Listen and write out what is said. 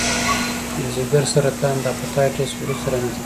د ځګر سرطان د هپاتایتس وروسته رامنځته کېږي.